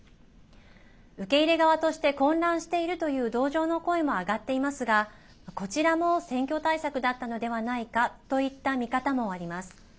受け入れ側として混乱しているという同情の声も上がっていますがこちらも選挙対策だったのではないかといった見方もあります。